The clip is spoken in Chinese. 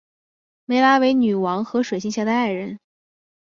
湄拉为女王和水行侠的爱人。